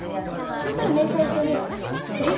そしたら明細書にえっ？